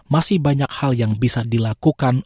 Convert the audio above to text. masih banyak hal yang bisa dilakukan